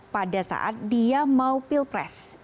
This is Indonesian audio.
pada saat dia mau pilpres